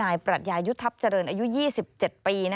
ปรัชญายุทธับเจริญอายุ๒๗ปี